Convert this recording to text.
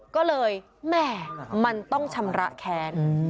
ก็เลยแหม่มันต้องชำระแค้น